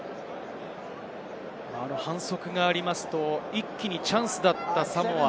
反則があると一気にチャンスだったサモア。